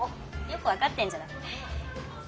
よく分かってんじゃない。